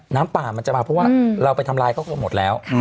น้ำป่ามันจะมาเพราะว่าเราไปทำลายครอบครัวหมดแล้ว